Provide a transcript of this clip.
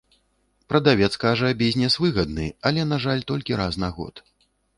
Прадавец кажа, бізнес выгадны, але, на жаль, толькі раз на год.